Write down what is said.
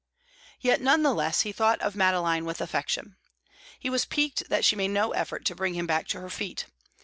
Yet none the less he thought of Madeline with affection. He was piqued that she made no effort to bring him back to her feet.